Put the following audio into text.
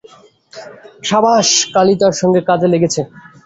সাবাস! কালী তার সঙ্গে কাজে লেগেছে।